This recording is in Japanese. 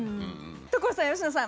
所さん佳乃さん。